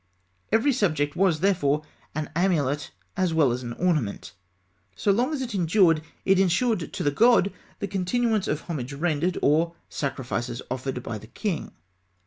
Every subject was, therefore, an amulet as well as an ornament. So long as it endured, it ensured to the god the continuance of homage rendered, or sacrifices offered, by the king.